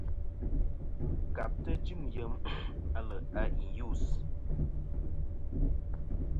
Kabtɨ jɨm yem a lè' a i yus.